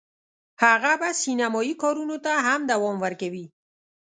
هغه به سینمایي کارونو ته هم دوام ورکوي